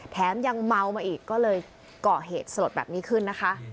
แถมยังเมามาอีกก็เลยเกาะเหตุสลดแบบนี้ขึ้นนะคะ